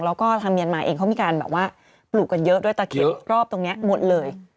แล้วก็ทางเมียนมาเองเขามีการแบบว่าปลูกกันเยอะด้วยตะเข็นรอบตรงนี้หมดเลย